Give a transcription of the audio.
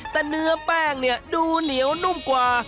แต่เนื้อแป้งเนี่ยดูเหนียวนุ่มกว่า